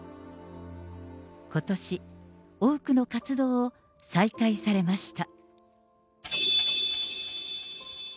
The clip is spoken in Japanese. ことし、多くの活動を再開されました。